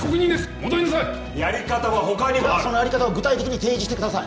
戻りなさいやり方は他にもあるそのやり方を具体的に提示してください